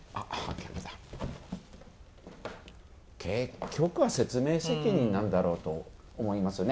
結局は説明責任なんだろうと思いますよね。